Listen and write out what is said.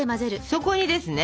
そこにですね